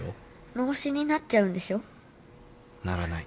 脳死になっちゃうんでしょ？ならない。